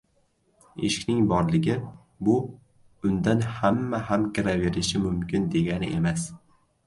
Eshikning borligi, bu — undan hamma ham kiraverishi mumkin degani emas.